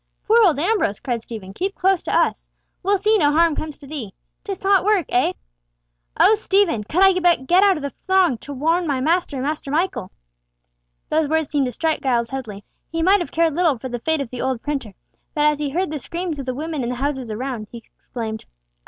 "Poor old Ambrose!" cried Stephen, "keep close to us! We'll see no harm comes to thee. 'Tis hot work, eh?" "Oh, Stephen! could I but get out of the throng to warn my master and Master Michael!" Those words seemed to strike Giles Headley. He might have cared little for the fate of the old printer, but as he heard the screams of the women in the houses around, he exclaimed, "Ay!